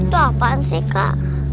itu apaan sih kak